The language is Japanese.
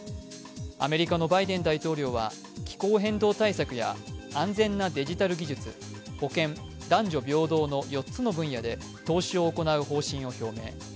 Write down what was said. アメリカのバイデン大統領は気候変動対策や安全なデジタル技術、保健、男女平等の４つの分野で投資を行う方針を表明。